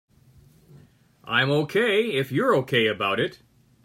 I'm OK if you're OK about it.